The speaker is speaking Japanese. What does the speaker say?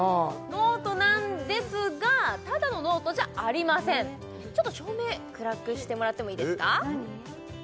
ノートなんですがただのノートじゃありませんちょっと照明暗くしてもらってもいいですか？